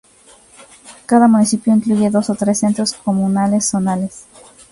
Cada municipio incluye dos o tres Centros Comunales Zonales.